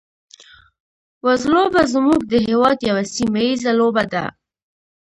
وزلوبه زموږ د هېواد یوه سیمه ییزه لوبه ده.